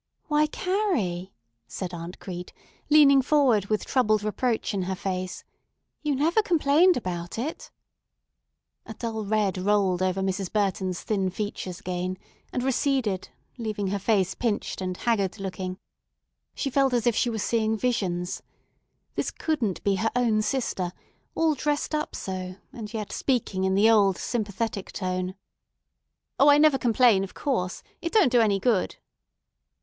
"Why, Carrie," said Aunt Crete, leaning forward with troubled reproach in her face, "you never complained about it." A dull red rolled over Mrs. Burton's thin features again, and receded, leaving her face pinched and haggard looking. She felt as if she were seeing visions. This couldn't be her own sister, all dressed up so, and yet speaking in the old sympathetic tone. "O, I never complain, of course. It don't do any good."